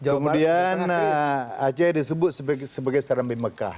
kemudian aceh disebut sebagai serambi mekah